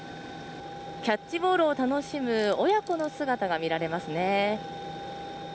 キャッチボールを楽しむ親子の姿が見られますね。